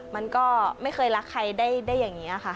มันก็ไม่เคยรักใครได้อย่างนี้ค่ะ